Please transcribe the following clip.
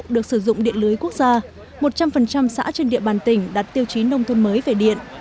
được sử dụng điện lưới quốc gia một trăm linh xã trên địa bàn tỉnh đặt tiêu chí nông thôn mới về điện